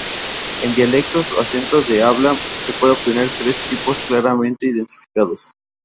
En dialectos o acentos de habla, se puede obtener tres tipos claramente identificados.